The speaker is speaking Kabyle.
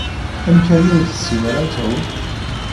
Amek armi ur tessin ara ad tɛum?